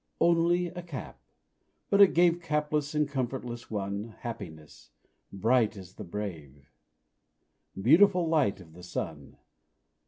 Only a cap; but it gave Capless and comfortless one Happiness, bright as the brave, Beautiful light of the sun.